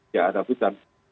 ya ada buta